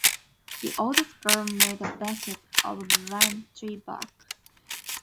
The oldest girl made a basket of lime-tree bark.